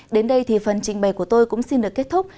đến đây thì phần trình bày của tôi cũng xin được kết thúc